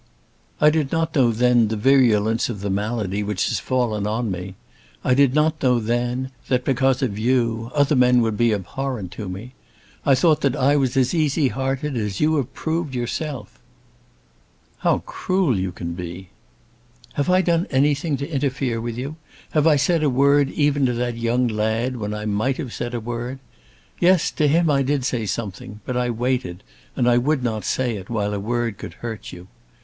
I did not know then the virulence of the malady which had fallen on me. I did not know then that, because of you, other men would be abhorrent to me. I thought that I was as easy hearted as you have proved yourself." "How cruel you can be." "Have I done anything to interfere with you? Have I said a word even to that young lad, when I might have said a word? Yes; to him I did say something; but I waited, and would not say it, while a word could hurt you.